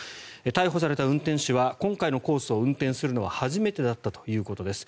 逮捕された運転手は今回のコースを運転するのは初めてだったということです。